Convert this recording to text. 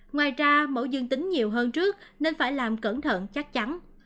ngoài ra mẫu dương tính nhiều hơn trước nên phải làm cẩn thận chắc chắn